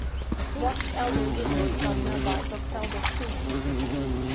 Box Elder was named from nearby Boxelder Creek.